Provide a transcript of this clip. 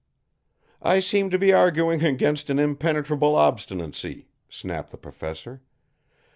"I seem to be arguing against an impenetrable obstinacy," snapped the Professor.